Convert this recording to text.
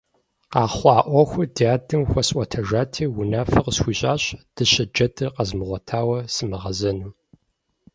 Къэхъуа Ӏуэхур ди адэм хуэсӀуэтэжати, унафэ къысхуищӀащ дыщэ джэдыр къэзмыгъуэтауэ сымыгъэзэну.